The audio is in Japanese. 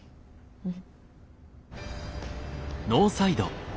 うん。